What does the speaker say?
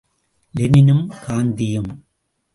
லெனினும் காந்தியும் ….